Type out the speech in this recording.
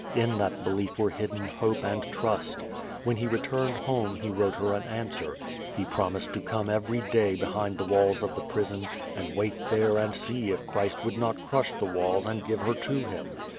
In that belief were hidden hope and trust. When he returned home he wrote her an answer. He ]>romised to come every day behind the walls of the prison, and wait there and see if Christ would not crush the walls and give her to him.